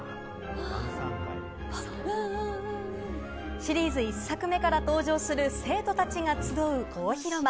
シリーズ１作目から登場する生徒たちが集う大広間。